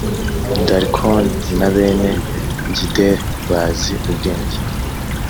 darikoni na bene gideli bazi ubwenge.